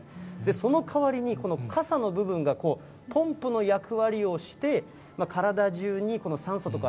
その代わりに、このかさの部分がこう、ポンプの役割をして、体中にこの酸素とか、